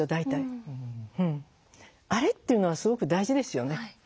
「あれ？」っていうのはすごく大事ですよね。